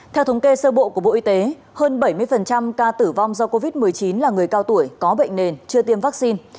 theo thống kê sơ bộ của bộ y tế hơn bảy mươi ca tử vong do covid một mươi chín là người cao tuổi có bệnh nền chưa tiêm vaccine